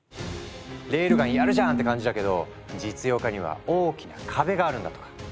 「レールガンやるじゃん！」って感じだけど実用化には大きな壁があるんだとか。